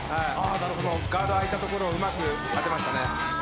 ガード空いたところをうまく当てましたね。